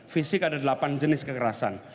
fisik ada delapan jenis kekerasan